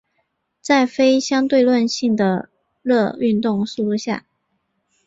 在非相对论性的热运动速度下。